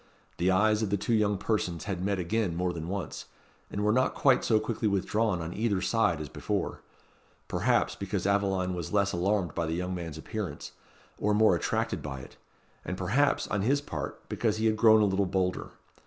The eyes of the two young persons had met again more than once, and were not quite so quickly withdrawn on either side as before; perhaps, because Aveline was less alarmed by the young man's appearance, or more attracted by it; and perhaps, on his part, because he had grown a little bolder.